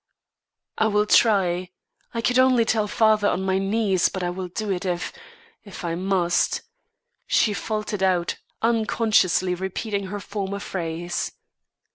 "I will try. I could only tell father on my knees, but I will do it if if I must," she faltered out, unconsciously repeating her former phrase.